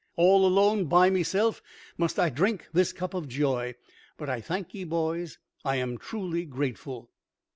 All alone by meself must I drink this cup of joy. But, I thank ye, boys; I am truly grateful."